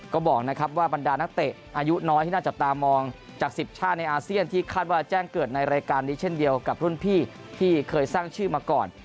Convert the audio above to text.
ก็บอกนะครับว่าบรรดานักเตะอายุน้อยที่น่าจับตามองจาก๑๐ชาติในอาเซียนที่คาดว่าแจ้งเกิดในรายการนี้เช่นเดียวกับรุ่นพี่ที่เคยสร้างชื่อมาก่อน